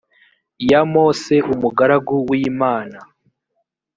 ya mose umugaragu w imana